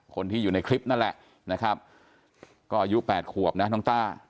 คนที่อยู่ในคลิปนั่นแหละนะครับก็อายุ๘ขวบนะน้องต้า